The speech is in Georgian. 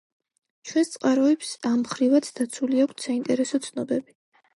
ჩვენს წყაროებს ამ მხრივაც დაცული აქვთ საინტერესო ცნობები.